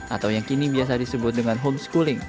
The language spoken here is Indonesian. atau yang kini biasa disebut dengan homeschooling